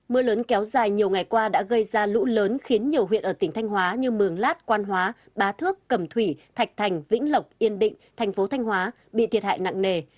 mưa lớn kéo dài nhiều ngày qua đã gây ra lũ lớn khiến nhiều huyện ở tỉnh thanh hóa như mường lát quan hóa bá thước cẩm thủy thạch thành vĩnh lộc yên định thành phố thanh hóa bị thiệt hại nặng nề